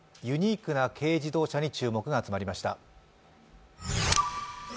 ユニークな軽自動車に注目が集まりました。